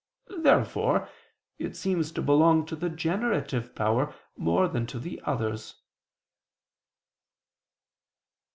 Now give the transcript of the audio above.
Therefore it seems to belong to the generative power more than to the others.